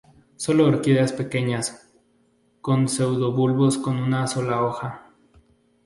Son orquídeas pequeñas, con pseudobulbos con una sola hoja.